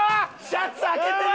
シャツ開けてる！